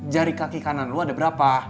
jari kaki kanan lu ada berapa